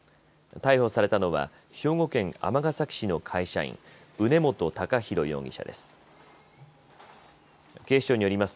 逮捕されたのは兵庫県尼崎市の会社員、宇根元崇泰容疑者です。